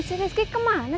si rizky kemana